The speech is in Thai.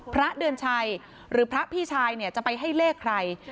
พระเดือนชัยหรือพระพี่ชายเนี่ยจะไปให้เลขใคร